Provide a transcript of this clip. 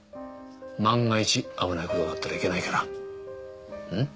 万が一危ないことがあったらいけないからうん？